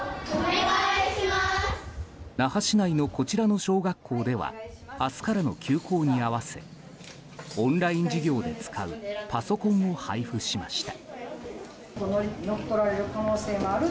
那覇市内のこちらの小学校では明日からの休校に合わせオンライン授業で使うパソコンを配布しました。